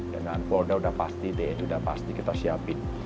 dengan polda udah pasti deh udah pasti kita siapin